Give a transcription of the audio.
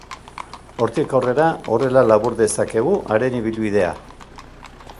Hortik aurrera horrela labur dezakegu haren ibilbidea.